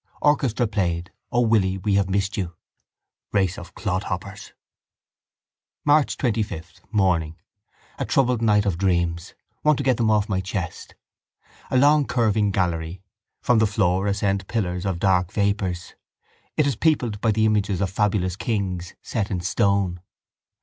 Orchestra played O, Willie, we have missed you. A race of clodhoppers! March 25, morning. A troubled night of dreams. Want to get them off my chest. A long curving gallery. From the floor ascend pillars of dark vapours. It is peopled by the images of fabulous kings, set in stone.